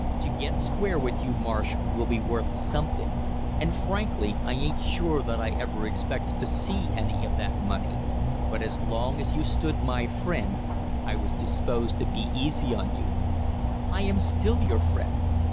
"To get square with you, Marsh, will be worth something, and frankly, I ain't sure that I ever expected to see any of that money, but as long as you stood my friend I was disposed to be easy on you." "I am still your friend."